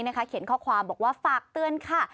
เขียนข้อความบอกว่าฝากเตือนค่ะ